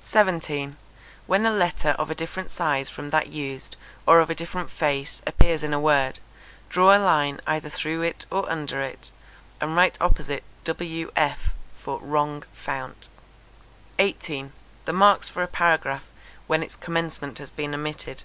17. When a letter of a different size from that used, or of a different face, appears in a word, draw a line either through it or under it, and write opposite w.f., for 'wrong fount.' 18. The marks for a paragraph, when its commencement has been omitted.